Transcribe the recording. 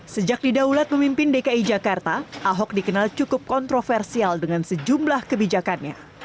sejak didaulat memimpin dki jakarta ahok dikenal cukup kontroversial dengan sejumlah kebijakannya